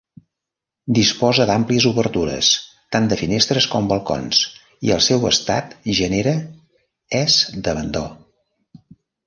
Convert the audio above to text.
Disposa d'àmplies obertures, tant de finestres com balcons i el seu estat genera és d'abandó.